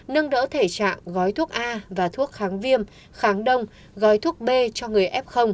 nâng đỡ thể trạng gói thuốc a và thuốc kháng viêm kháng đông gói thuốc b cho người f